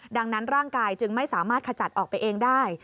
ดังนั้นร่างกายจึงไม่สามารถขจัดออกไปเองได้